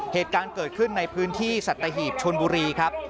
เหตุการณ์เกิดขึ้นในพื้นที่สัตหีบชนบุรีครับ